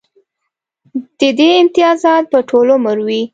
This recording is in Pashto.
د دې امتیازات به ټول عمر وي